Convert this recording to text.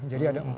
jadi ada empat